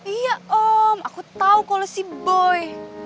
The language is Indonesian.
iya om aku tahu kalau si boy